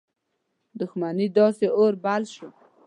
دښمنۍ داسي اور بل شو.